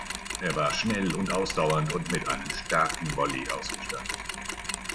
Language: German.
Er war schnell und ausdauernd und mit einem starken Volley ausgestattet.